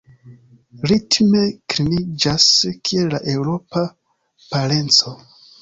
Ritme kliniĝas kiel la eŭropa parenco.